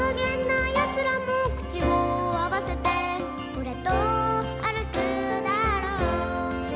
「俺と歩くだろう」